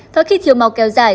và khi thiếu máu kéo dài